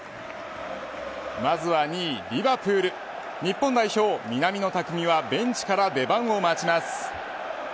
まずは２位リヴァプール日本代表、南野拓実はベンチから出番を待ちます。